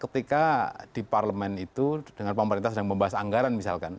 ketika di parlemen itu dengan pemerintah sedang membahas anggaran misalkan